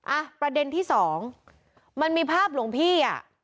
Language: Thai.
อ่ะประเด็นที่สองมันมีภาพหลวงพี่อ่ะ